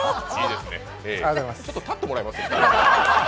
ちょっと立ってもらえますか。